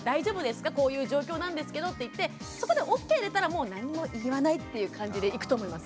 こういう状況なんですけどって言ってそこでＯＫ出たらもう何も言わないっていう感じでいくと思います。